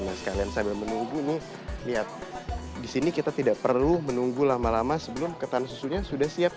nah sekalian sambil menunggu ini niat disini kita tidak perlu menunggu lama lama sebelum ketan susunya sudah siap